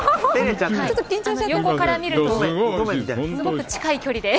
横から見るとものすごく近い距離で。